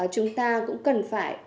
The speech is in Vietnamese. chúng ta cũng cần phải